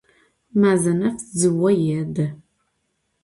Mazenef dzıo yêdı.